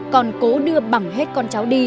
còn cố đưa bằng hết con cháu đi